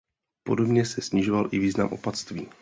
Podobně se snižoval i význam opatství.